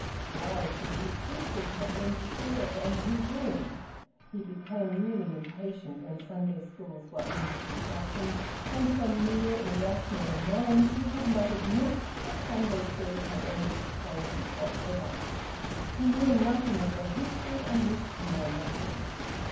Why should his sisters have been spared and he doomed? He became really impatient when Sunday schools were under discussion, and from mere irrational annoyance he would not admit that Sunday schools had any good qualities whatever. He knew nothing of their history, and wished to know nothing.